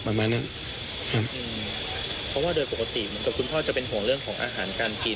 ประมาณนั้นครับเพราะว่าโดยปกติเหมือนกับคุณพ่อจะเป็นห่วงเรื่องของอาหารการกิน